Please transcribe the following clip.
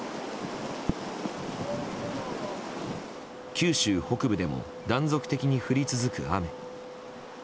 九州北部でも断続的に降り続く雨。